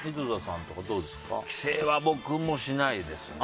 帰省は僕もしないですね。